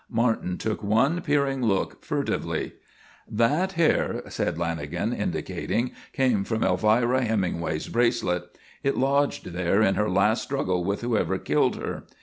Martin took one peering look furtively. "That hair," said Lanagan, indicating, "came from Elvira Hemingway's bracelet. It lodged there in her last struggle with whoever killed her.